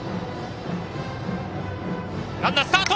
ランナー、スタート。